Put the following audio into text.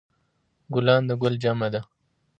ګلان د ګل جمع ده